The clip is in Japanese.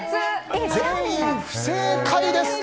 全員、不正解です！